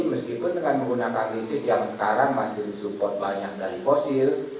meskipun dengan menggunakan listrik yang sekarang masih disupport banyak dari fosil